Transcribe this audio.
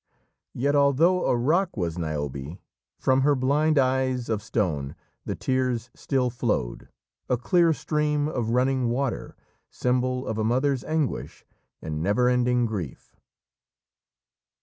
Yet although a rock was Niobe, from her blind eyes of stone the tears still flowed, a clear stream of running water, symbol of a mother's anguish and never ending grief.